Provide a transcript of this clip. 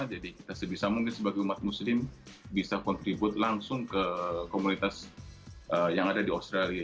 jadi kita sebisa mungkin sebagai umat muslim bisa contribute langsung ke komunitas yang ada di australia